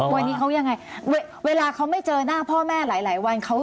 วันนี้เขายังไงเวลาเขาไม่เจอหน้าพ่อแม่หลายวัน